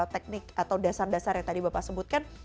teknik atau dasar dasar yang tadi bapak sebutkan